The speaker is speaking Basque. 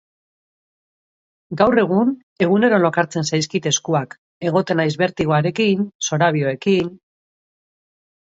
Gaur egun egunero lokartzen zaizkit eskuak, egoten naiz bertigoekin, zorabioekin...